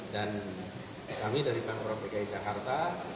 dan kami dari panggora bki jakarta